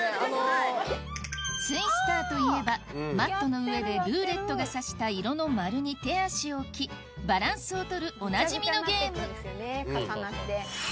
ツイスターといえばマットの上でルーレットが指した色の丸に手足を置きバランスを取るおなじみのゲーム